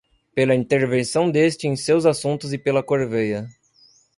pela intervenção deste em seus assuntos e pela corveia